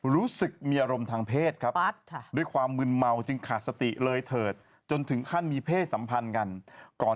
รู้สึกมีอารมณ์ทางเพศครับด้วยความมืนเมาจึงขาดสติเลยเถิดจนถึงขั้นมีเพศสัมพันธ์กันก่อน